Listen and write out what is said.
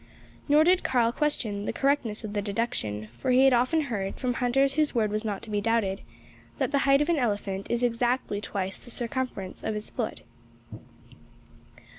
Nor did Karl question the correctness of the deduction: for he had often heard, from hunters whose word was not to be doubted, that the height of an elephant is exactly twice the circumference of his foot.